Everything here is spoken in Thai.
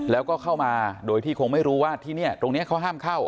แล้วก็เข้ามาโดยที่คงไม่รู้ว่าที่นี่ตรงนี้เขาห้ามเข้า